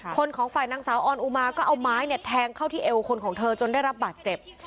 ของฝ่ายนางสาวออนอุมาก็เอาไม้เนี่ยแทงเข้าที่เอวคนของเธอจนได้รับบาดเจ็บ